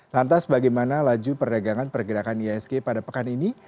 lantas bagaimana laju perdagangan pergerakan iasg pada pekan ini